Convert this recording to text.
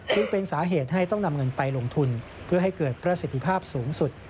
จึงเป็นสาเหตุให้ต้องนำเงินไปลงทุนเพื่อให้เกิดประสิทธิภาพสูงสุด